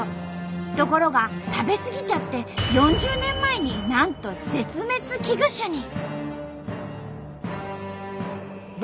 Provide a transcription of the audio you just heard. ところが食べ過ぎちゃって４０年前になんと絶滅危惧種に。